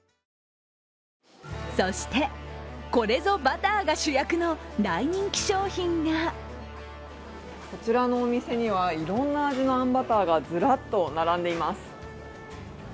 そして、これぞバターが主役の大人気商品がこちらのお店にはいろんな味のあんバターがずらっと並んでいます。